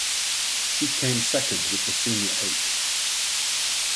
She came second with the senior eight.